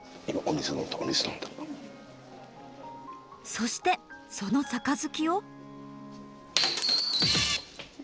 そしてその杯を。